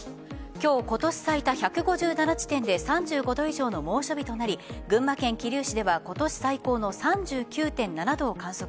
今日、今年最低１５７地点で３５度以上の猛暑日となり群馬県桐生市では今年最高の３９．７度を観測。